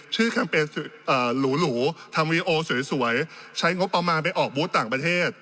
ชื่อคำเป็นอ่าหรูหรูทำวีโอสวยสวยใช้งบประมาณไปออกบุตรต่างประเทศ